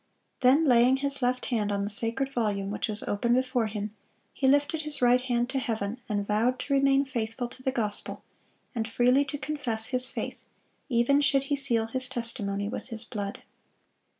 Then, laying his left hand on the Sacred Volume, which was open before him, he lifted his right hand to heaven, and vowed "to remain faithful to the gospel, and freely to confess his faith, even should he seal his testimony with his blood."